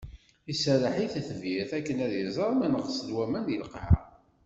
Iserreḥ i tetbirt akken ad iẓer ma neɣsen waman di lqaɛa.